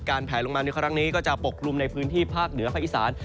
แผลลงมาในครั้งนี้ก็จะปกลุ่มในพื้นที่ภาคเหนือภาคอีสาน